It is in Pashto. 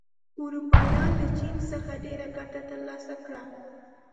اروپایان له چین څخه ډېره ګټه تر لاسه کړه.